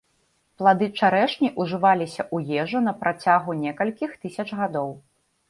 Плады чарэшні ўжываліся ў ежу на працягу некалькіх тысяч гадоў.